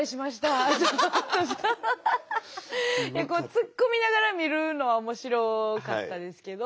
突っ込みながら見るのは面白かったですけど。